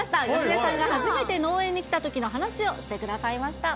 芳根さんが初めて農園に来たときの話をしてくださいました。